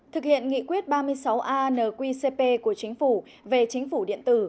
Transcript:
thực hiện nghị quyết ba mươi sáu a nqcp của chính phủ về chính phủ điện tử